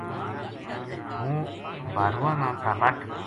ہوں بھارواں نا تابٹ